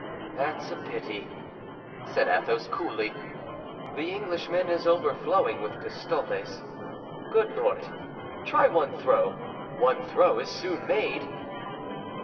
"That's a pity," said Athos, coolly. "The Englishman is overflowing with pistoles. Good Lord, try one throw! One throw is soon made!"